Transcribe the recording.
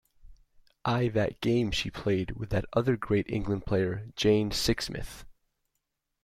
I that game she played with that other great England player Jane Sixsmith.